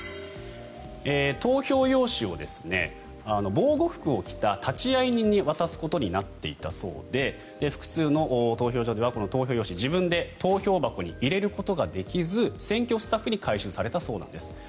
投票用紙を防護服を着た立会人に渡すことになっていたそうで複数の投票所では投票用紙を自分で投票箱に入れることができず選挙スタッフに回収されたそうなんです。